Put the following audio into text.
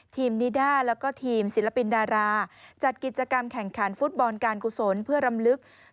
ทีมนิด้าและก็ทีมศิลปินดาราจัดกิจกรรมแข่งขันฟุตบอลการกุศล